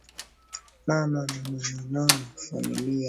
na na nana na familia